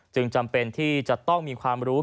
จำเป็นที่จะต้องมีความรู้